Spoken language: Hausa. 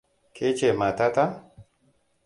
Ke ce mata ta.